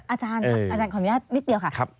อาจารย์ขออนุญาตนิดเดียวค่ะ